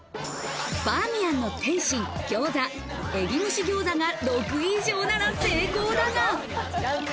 バーミヤンの点心・餃子「海老蒸し餃子」が６位以上なら成功だが。